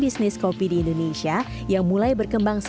kepala komite kopi indonesia mencari peran dalam pemulihan ekonomi indonesia